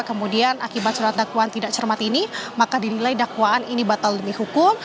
kemudian akibat surat dakwaan tidak cermat ini maka dinilai dakwaan ini batal demi hukum